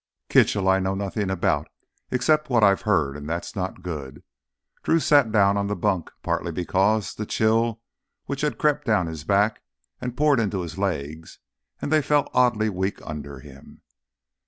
"Kitchell I know nothin' about—except what I've heard and that's not good." Drew sat down on the bunk, partly because the chill which had crept down his back had poured into his legs and they felt oddly weak under him.